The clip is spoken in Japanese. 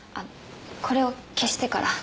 これを消してから。